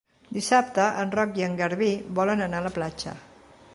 Dissabte en Roc i en Garbí volen anar a la platja.